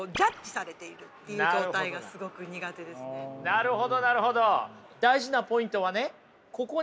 なるほどなるほど。